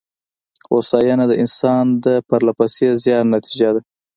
هوساینه د انسان د پرله پسې زیار نتېجه ده.